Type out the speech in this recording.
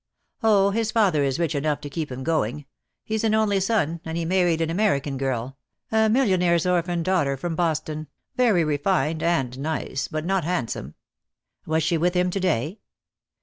"Oh, his father is rich enough to keep him going. He's an only son, and he married an American girl — a millionaire's orphan daughter from Boston, very refined and nice — but not hand some." "Was she with him to day?"